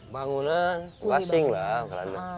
bangunan washing lah